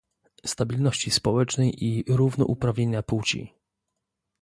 stabilności społecznej i równouprawnienia płci